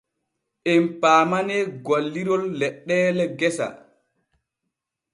Em paamanee golliron leɗɗeele gesa.